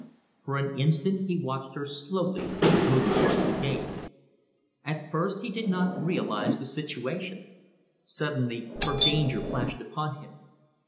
For an instant he watched her slowly moving towards the gate. At first he did not realise the situation. Suddenly her danger flashed upon him.